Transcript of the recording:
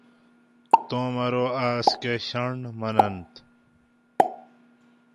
تم ارو آس کہ شاۤنٹ مناۤن